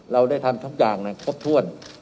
เราได้ทำทุกอย่างครบถ้วน